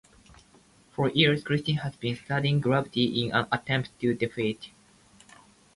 For years, Krickstein has been studying gravity in an attempt to defy it.